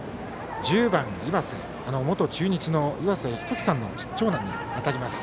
１０番の岩瀬は元中日の岩瀬仁紀さんの長男に当たります。